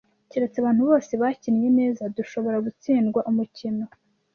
Keretse abantu bose bakinnye neza, dushobora gutsindwa umukino.